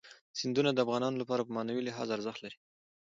سیندونه د افغانانو لپاره په معنوي لحاظ ارزښت لري.